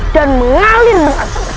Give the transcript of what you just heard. dan mengalir merasa cepat